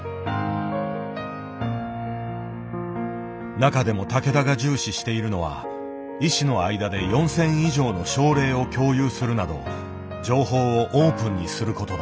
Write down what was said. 中でも竹田が重視しているのは医師の間で４，０００以上の症例を共有するなど情報をオープンにすることだ。